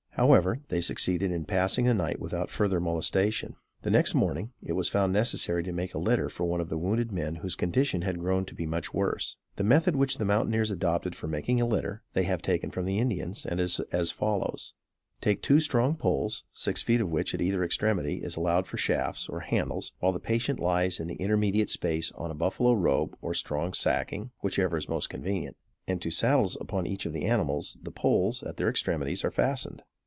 However, they succeeded in passing the night without further molestation. The next morning, it was found necessary to make a litter for one of the wounded men whose condition had grown to be much worse. The method which the mountaineers adopt for making a litter, they have taken from the Indians, and is as follows. Take two strong poles, six feet of which, at either extremity, is allowed for shafts, or handles, while the patient lies in the intermediate space on a buffalo robe, or strong sacking, which ever is most convenient. Two mules or horses of the same size are then selected; and, to saddles upon each of the animals, the poles, at their extremities, are fastened.